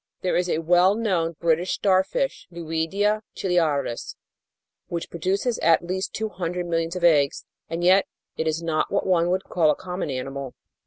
There is a well known British starfish, Luidia ciliaris, which produces at least two hundred millions of eggs, and yet it is not what one would call a common animal.